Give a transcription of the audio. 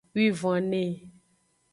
Wivonve.